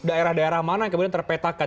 daerah daerah mana yang kemudian terpetakan